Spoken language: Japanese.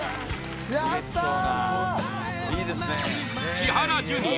千原ジュニア